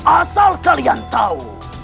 asal kalian tahu